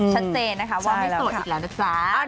ชัดเจนนะคะว่าไม่โสดอีกแล้วนะจ๊ะ